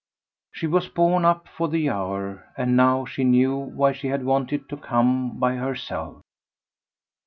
She was borne up for the hour, and now she knew why she had wanted to come by herself.